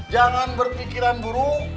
jangan berpikiran buruk